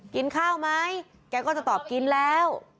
กินข้าวไหมแกก็จะตอบกินแล้ว